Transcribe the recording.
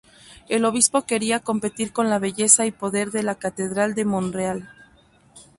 El obispo quería competir con la belleza y poder de la Catedral de Monreale.